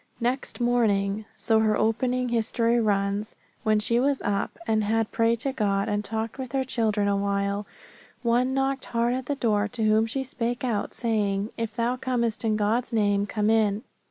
"Next morning," so her opening history runs, "when she was up, and had prayed to God, and talked with her children awhile, one knocked hard at the door to whom she spake out, saying, If thou comest in God's name, come in.